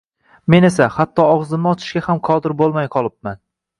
Men esa, hatto og‘zimni ochishga ham qodir bo‘lmay qolibman